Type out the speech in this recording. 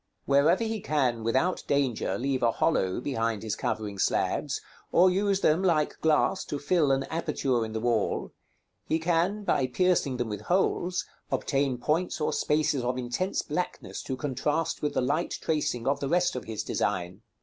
Wherever he can, without danger, leave a hollow behind his covering slabs, or use them, like glass, to fill an aperture in the wall, he can, by piercing them with holes, obtain points or spaces of intense blackness to contrast with the light tracing of the rest of his design.